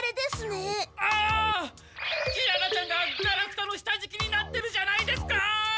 キララちゃんがガラクタの下じきになってるじゃないですか！